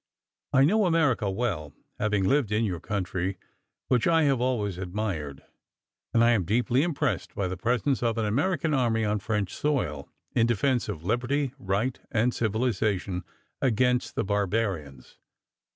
I know America well, having lived in your country, which I have always admired, and I am deeply impressed by the presence of an American army on French soil, in defense of liberty, right, and civilization, against the barbarians.